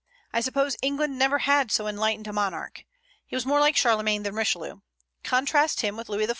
I suppose England never had so enlightened a monarch. He was more like Charlemagne than Richelieu. Contrast him with Louis XIV.